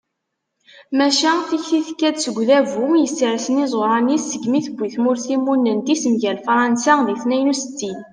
maca tikti tekka-d seg udabu yessersen iẓuṛan-is segmi tewwi tmurt timunent-is mgal fṛansa di tniyen u settin